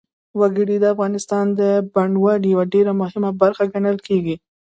وګړي د افغانستان د بڼوالۍ یوه ډېره مهمه برخه ګڼل کېږي.